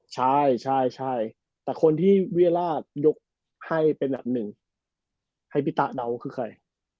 ใช่ใช่ใช่แต่คนที่เวียล่ายกให้เป็นอันหนึ่งให้พี่ตาเดาคือใคร